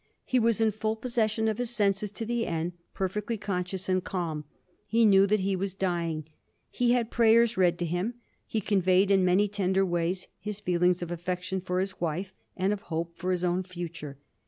He was in full possession of his senses to the end, per fectly conscious and calm. He knew that he was dying ; he had prayers read to him ; he conveyed in many tender ways his feelings of affection for his wife, and of hope for his own future.